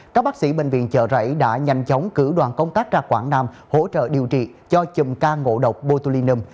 các bác sĩ bệnh viện chợ rẫy đã nhanh chóng cử đoàn công tác ra quảng nam hỗ trợ điều trị cho chùm ca ngộ độc botulinum